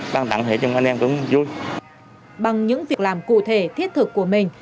bằng những việc làm cụ thể thiết thực của mình